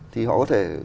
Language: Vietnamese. thì họ có thể